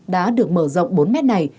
đã được mở rộng bốn m này